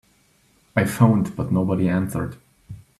I phoned but nobody answered.